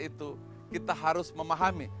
itu kita harus memahami